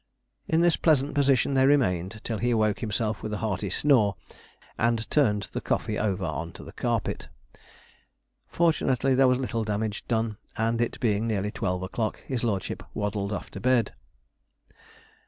In this pleasant position they remained till he awoke himself with a hearty snore, and turned the coffee over on to the carpet. Fortunately there was little damage done, and, it being nearly twelve o'clock, his lordship waddled off to bed.